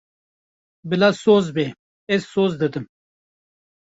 Bila soz be, ez soz didim.